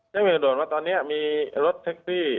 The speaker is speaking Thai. แจ้งเหตุด่วนว่าตอนนี้มีรถแท็กซี่